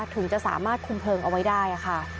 ถึงจะสามารถคุมเพลิงเอาไว้ได้ค่ะ